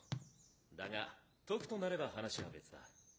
だが解くとなれば話は別だ。